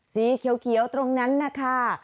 สีเขียวตรงนั้นนะคะ